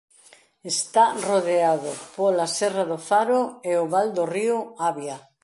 Está rodeado pola serra do Faro e o val do río Avia.